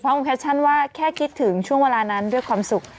แคปชั่นว่าแค่คิดถึงช่วงเวลานั้นด้วยความสุข